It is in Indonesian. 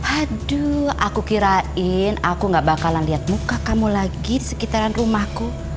aduh aku kirain aku gak bakalan lihat muka kamu lagi di sekitaran rumahku